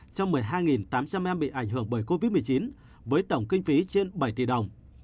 cho một mươi hai tám trăm linh em bị ảnh hưởng bởi covid một mươi chín với tổng kinh phí trên bảy tỷ đồng